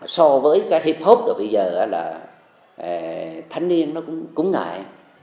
so với cái hip hop rồi bây giờ là thanh niên nó cũng ngại